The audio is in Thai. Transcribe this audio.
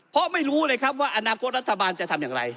เพราะไม่รู้เลยครับว่าอนาคตรัฐบาลจะทำอย่างไร